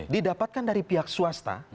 didapatkan dari pihak swasta